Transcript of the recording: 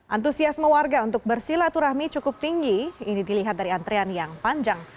antusiasme warga untuk bersilaturahmi cukup tinggi ini dilihat dari antrean yang panjang